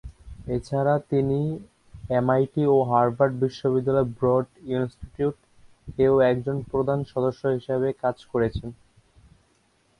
এছাড়া তিনি এমআইটি ও হার্ভার্ড বিশ্ববিদ্যালয়ের ব্রড ইন্সটিটিউট-এও একজন প্রধান সদস্য হিসেবে কাজ করছেন।